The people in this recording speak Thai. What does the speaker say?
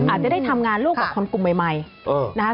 อาจจะได้ทำงานร่วมกับคนกลุ่มใหม่นะคะ